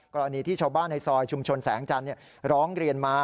กรณีที่ชาวบ้านในซอยชุมชนแสงจันทร์ร้องเรียนมา